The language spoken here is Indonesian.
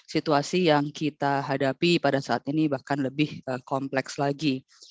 situasi yang kita hadapi pada saat ini bahkan lebih kompleks lagi